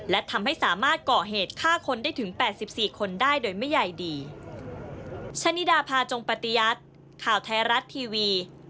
และทำให้สามารถก่อเหตุฆ่าคนได้ถึง๘๔คนได้โดยไม่ใหญ่ดี